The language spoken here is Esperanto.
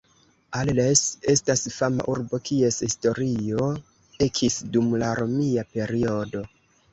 Arles estas fama urbo, kies historio ekis dum la Romia periodo.